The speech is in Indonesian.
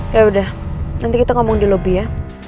yaudah nanti kita ngomong di lobby ya